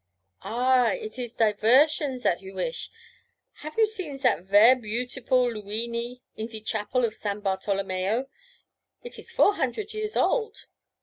'Ah, it is diversion zat you wish? Have you seen zat ver' beautiful Luini in ze chapel of San Bartolomeo? It is four hundred years old.'